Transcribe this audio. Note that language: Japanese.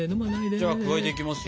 じゃあ加えていきますよ。